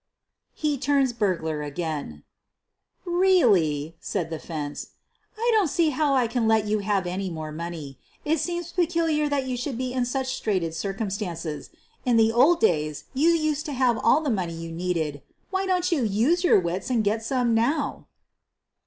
HE TURNS BURGLAR AGAIN "Really," said the "fence," "I don't see how I can let you have any more money. It seems peculiar that you should be in such straitened circumstances. In the old days you used to have all the money you needed — why don't you use your wits and get »ome now!"